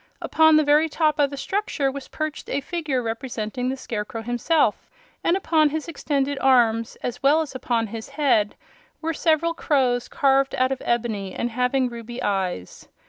Upon the very top of the structure was perched a figure representing the Scarecrow himself, and upon his extended arms, as well as upon his head, were several crows carved out of ebony and having ruby eyes.